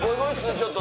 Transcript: ちょっと。